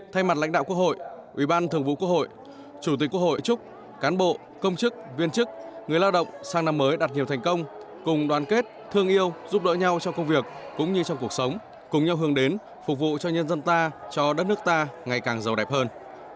thay mặt lãnh đạo quốc hội ủy ban thường vụ quốc hội chủ tịch quốc hội chúc cán bộ công chức viên chức người lao động sang năm mới đạt nhiều thành công cùng đoàn kết thương yêu giúp đỡ nhau trong công việc cũng như trong cuộc sống cùng nhau hướng đến phục vụ cho nhân dân ta cho đất nước ta ngày càng giàu đẹp hơn